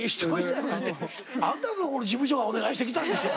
あんたんとこの事務所がお願いしてきたんでしょ。